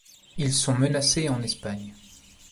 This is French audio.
Ils sont menacés en Espagne.